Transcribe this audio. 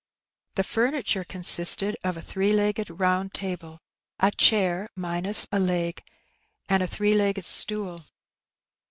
The furniture consisted of a three legged round table^ a chair minus a leg^ and a three legged stool.